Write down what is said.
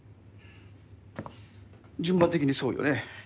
順番的にそうよね。